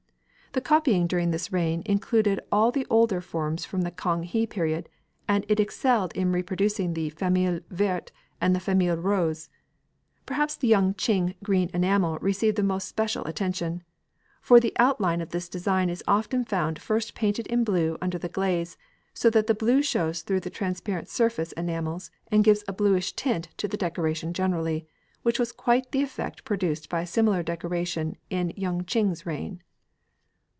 The copying during this reign included all the older forms from the Kang he period, and it excelled in reproducing the "famille verte" and the "famille rose." Perhaps the Yung ching green enamel received the most special attention, for the outline of the design is often found first painted in blue under the glaze, so that the blue shows through the transparent surface enamels and gives a bluish tint to the decoration generally, which was quite the effect produced by a similar decoration in Yung ching's reign.